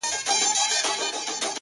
زما خو ټوله زنده گي توره ده-